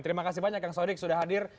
terima kasih banyak kang sodik sudah hadir